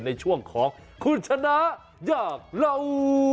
ในช่วงของคุณชนะอยากเล่า